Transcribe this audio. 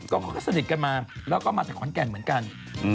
เขาก็สนิทกันมาแล้วก็มาจากขอนแก่นเหมือนกัน